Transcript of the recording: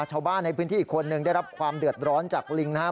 ชาวบ้านในพื้นที่อีกคนนึงได้รับความเดือดร้อนจากลิงนะครับ